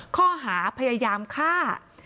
ข้อหาพยายามฆ่า